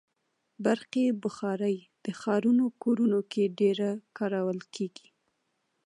برقي بخاري د ښارونو کورونو کې ډېره کارول کېږي.